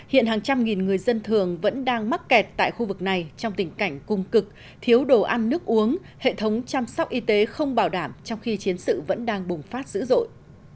hiện hàng trăm nghìn người dân thường vẫn đang mắc kẹt tại khu vực này trong tình cảnh cung cực thiếu đồ ăn nước uống hệ thống chăm sóc y tế không bảo đảm trong khi chiến sự vẫn đang bùng phát dữ dội